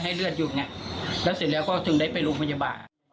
เลือดหยุดไงแล้วเสร็จแล้วก็ถึงได้ไปโรงพยาบาล